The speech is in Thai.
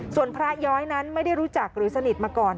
ส่วนพระย้อยนั้นไม่ได้รู้จักหรือสนิทมาก่อน